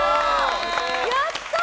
やったー！